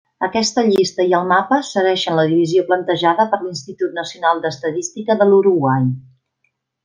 Aquesta llista i el mapa segueixen la divisió plantejada per l'Institut Nacional d'Estadística de l'Uruguai.